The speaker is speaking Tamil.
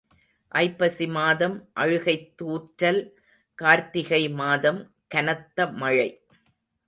ஐப்பசி மாதம் அழுகைத் துாற்றல் கார்த்திகை மாதம் கனத்த மழை.